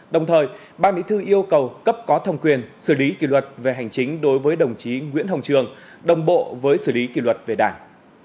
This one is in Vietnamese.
đồng thời ban mỹ thư yêu cầu cấp có thầm quyền xử lý kỷ luật về hành chính đối với đồng chí nguyễn hồng trường đồng bộ với xử lý kỷ luật về đảng